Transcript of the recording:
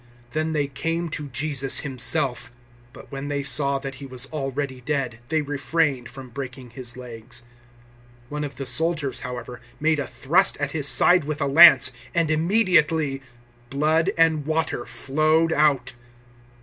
019:033 Then they came to Jesus Himself: but when they saw that He was already dead, they refrained from breaking His legs. 019:034 One of the soldiers, however, made a thrust at His side with a lance, and immediately blood and water flowed out.